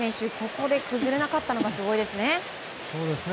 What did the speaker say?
ここで崩れなかったのがすごいですね。